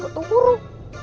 kok tuh turu